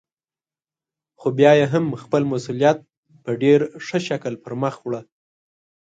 خو بيا يې هم خپل مسئوليت په ډېر ښه شکل پرمخ وړه.